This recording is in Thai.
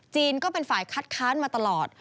ก็เป็นฝ่ายคัดค้านมาตลอด